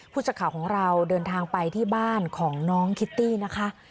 สักข่าวของเราเดินทางไปที่บ้านของน้องคิตตี้นะคะ